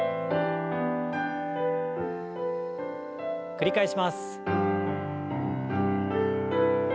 繰り返します。